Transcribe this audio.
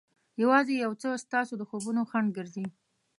یوازې یو څه ستاسو د خوبونو خنډ ګرځي.